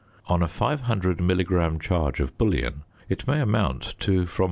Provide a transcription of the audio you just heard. On a 500 milligram charge of bullion it may amount to from